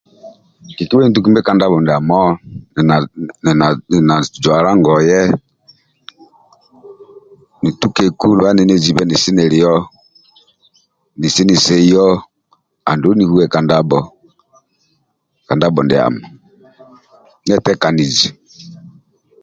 Kekebhe ninitukimbe ka ndabho ndiamo nili na nili na nili na zwala ngoye nitukeku niezibe nesi nilio nesi niaeiyo andulu nihuwe ka ndabho ndiamo nietekanizi